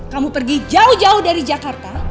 kamu pergi jauh jauh dari jakarta